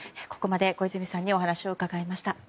ここまで小泉さんにお話を伺いました。